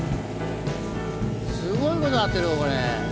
すごいことになってるよこれ。